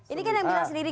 ini kan yang bilang sendiri